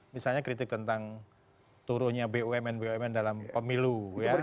misalnya kritik tentang turunnya bumn bumn dalam pemilu ya